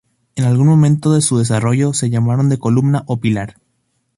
En algún momento de su desarrollo se llamaron de columna o pilar.